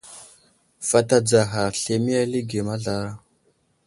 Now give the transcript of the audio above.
Fat adzaghar ,zlemiye alige mazlara.